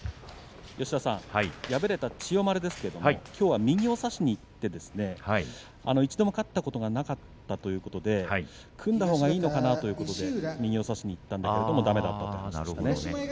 敗れた千代丸ですが、きょうは右を差しにいって一度も勝ったことがなかったということで組んだほうがいいのかなと右を差しにいったけれどもだめだったと話しています。